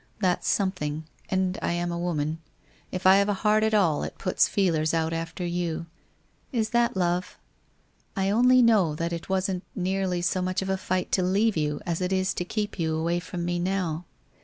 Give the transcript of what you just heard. That's some thing, and I am a woman. If I have a heart at all it puts feelers out after you. Is that love? I only know that it wasn't nearly so much of a fight to leave you, as it is to keep you away from me now.